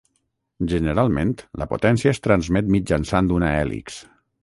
Generalment la potència es transmet mitjançant una hèlix.